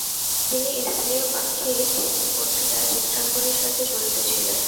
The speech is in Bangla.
তিনি স্থানীয় পাক্ষিক পত্রিকায় চিত্রাঙ্কনের সাথে জড়িত ছিলেন।